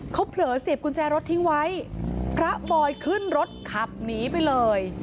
เขาเผลอเสียบกุญแจรถทิ้งไว้พระบอยขึ้นรถขับหนีไปเลย